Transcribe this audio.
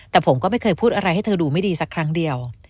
แต่ผมก็ไม่เคยพูดอะไรให้เธอดูไม่ดีสักครั้งเดียว